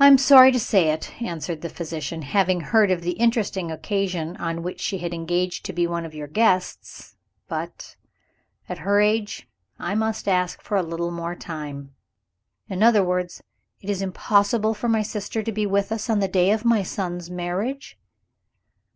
"I am sorry to say it," answered the physician "having heard of the interesting occasion on which she had engaged to be one of your guests but, at her age, I must ask for a little more time." "In other words, it is impossible for my sister to be with us, on the day of my son's marriage?"